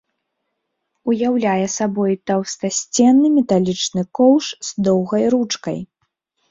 Уяўляе сабой таўстасценны металічны коўш з доўгай ручкай.